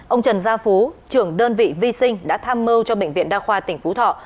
ông trần gia phú trưởng đơn vị vi sinh đã tham mưu cho bệnh viện đa khoa tỉnh phú thọ